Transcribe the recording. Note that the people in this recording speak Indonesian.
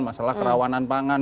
masalah kerawanan pangan